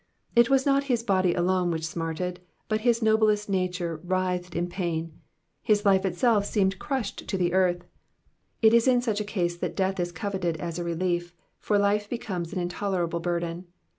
It was not his body alone which smarted, but his noblest nature writhed in pain, his life itself seemed crushed into the earth. It is in such a case that death is coveted as a relief, for life becomes an intolerable burden.